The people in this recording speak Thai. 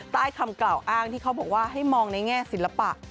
ใต้คำกล่าวอ้างที่เขาบอกว่าให้มองในแง่ศิลปะ